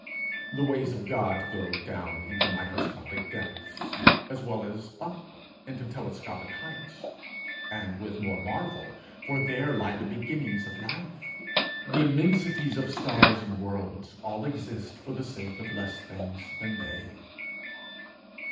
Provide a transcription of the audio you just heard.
The ways of God go down into microscopic depths, as well as up into telescopic heights and with more marvel, for there lie the beginnings of life: the immensities of stars and worlds all exist for the sake of less things than they.